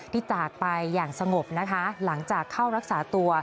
จากไปอย่างสงบนะคะหลังจากเข้ารักษาตัว